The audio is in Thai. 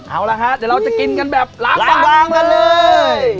เอาละฮะเดี๋ยวเราจะกินกันแบบละบางกันเลย